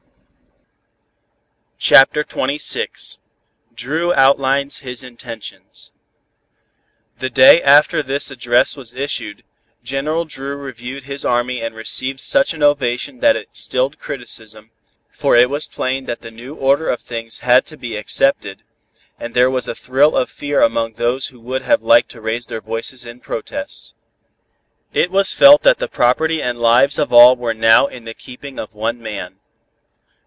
"_ CHAPTER XXVI DRU OUTLINES HIS INTENTIONS The day after this address was issued, General Dru reviewed his army and received such an ovation that it stilled criticism, for it was plain that the new order of things had to be accepted, and there was a thrill of fear among those who would have liked to raise their voices in protest. It was felt that the property and lives of all were now in the keeping of one man.